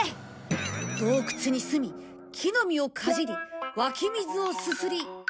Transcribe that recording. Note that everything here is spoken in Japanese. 洞窟に住み木の実をかじり湧き水をすすり。